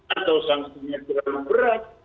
atau sangsiringan terlalu berat